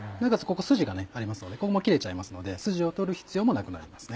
ここスジがありますのでここも切れちゃいますのでスジを取る必要もなくなります。